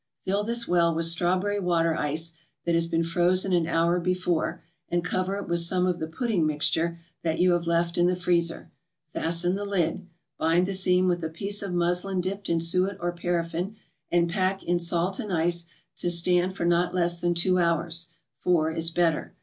Fill this well with Strawberry Water Ice that has been frozen an hour before, and cover it with some of the pudding mixture that you have left in the freezer. Fasten the lid, bind the seam with a piece of muslin dipped in suet or paraffin, and pack in salt and ice to stand for not less than two hours, four is better.